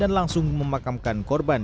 dan langsung memakamkan korban